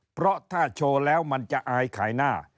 เพราะถ้าโชว์แล้วมันจะอายขายหน้า